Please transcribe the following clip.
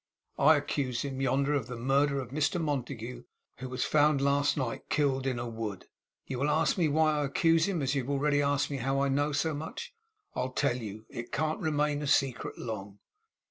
I accuse him yonder of the murder of Mr Montague, who was found last night, killed, in a wood. You will ask me why I accuse him as you have already asked me how I know so much. I'll tell you. It can't remain a secret long.